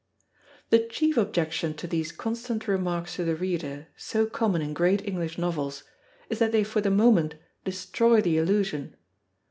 The chief objection to these constant remarks to the reader, so common in great English novels, is that they for the moment destroy the illusion.